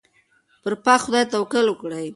پر پاک خدای توکل وکړئ.